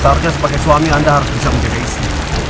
seharusnya sebagai suami anda harus bisa menjadi istri